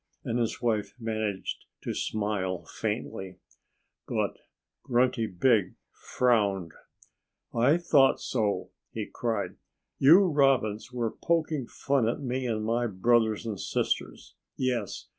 And his wife managed to smile faintly. But Grunty Pig frowned. "I thought so!" he cried. "You Robins were poking fun at me and my brothers and sisters. Yes!